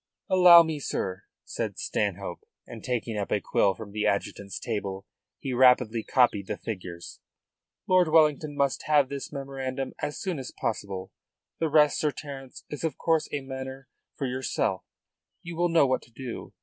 "Allow me, sir," said Stanhope, and taking up a quill from the adjutant's table he rapidly copied the figures. "Lord Wellington must have this memorandum as soon as possible. The rest, Sir Terence, is of course a matter for yourself. You will know what to do.